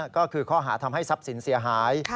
ก็คือข้อหาทำให้ทรัพย์สินเสียหาย